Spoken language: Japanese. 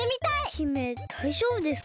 姫だいじょうぶですか？